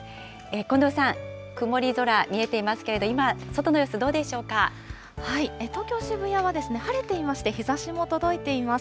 近藤さん、曇り空、見えていますけれども、今、外の様子、東京・渋谷は晴れていまして、日ざしも届いています。